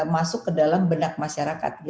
masuk ke dalam benak masyarakat